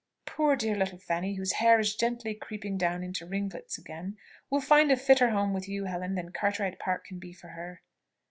Poor dear little Fanny, whose hair is gently creeping down into ringlets again, will find a fitter home with you, Helen, than Cartwright Park can be for her."